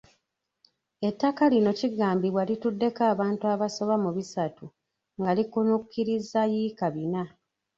Ettaka lino kigambibwa lituddeko abantu abasoba mu bisatu nga likunukkiriza yiika bina.